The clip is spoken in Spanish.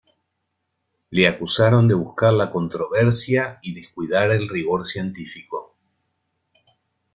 Le acusaron de buscar la controversia y descuidar el rigor científico.